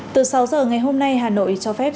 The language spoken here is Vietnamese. từ sáu giờ ngày hôm nay hà nội cho phép